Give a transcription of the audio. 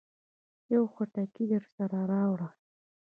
يو خټکی درسره راوړه.